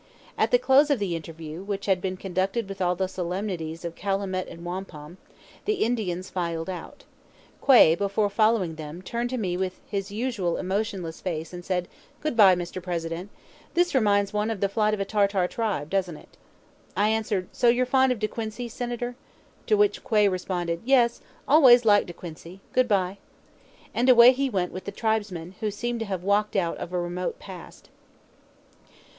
At the close of the interview, which had been conducted with all the solemnities of calumet and wampum, the Indians filed out. Quay, before following them, turned to me with his usual emotionless face and said, "Good by, Mr. President; this reminds one of the Flight of a Tartar Tribe, doesn't it?" I answered, "So you're fond of De Quincey, Senator?" to which Quay responded, "Yes; always liked De Quincey; good by." And away he went with the tribesmen, who seemed to have walked out of a remote past.